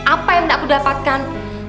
apa yang tidak aku dapatkan